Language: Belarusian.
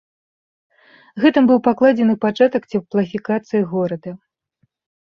Гэтым быў пакладзены пачатак цеплафікацыі горада.